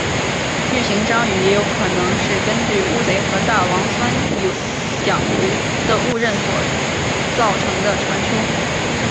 巨型章鱼也有可能是根据巨乌贼和大王酸浆鱿的误认所造成的传说。